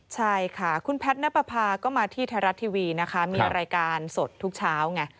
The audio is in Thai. ใช่ค่ะคุณแพทย์นับประพาก็มาที่ไทยรัฐทีวีนะคะมีรายการสดทุกเช้าไง